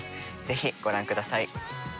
ぜひご覧ください。